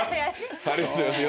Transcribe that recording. ありがとうございます。